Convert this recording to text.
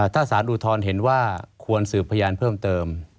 ถ้าสารอุทธรณ์เห็นว่าควรสืบพยานเพิ่มเติม